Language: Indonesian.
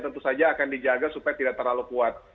tentu saja akan dijaga supaya tidak terlalu kuat